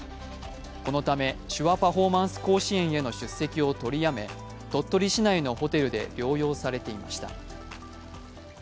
このため手話パフォーマンス甲子園への出席を取りやめ鳥取市内のホテルで療養されていました。